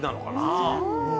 そう！